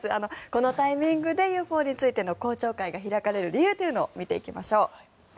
このタイミングでＵＦＯについての公聴会が開かれる理由を見ていきましょう。